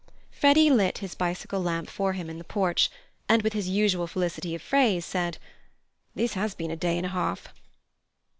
Freddy lit his bicycle lamp for him in the porch, and with his usual felicity of phrase, said: "This has been a day and a half."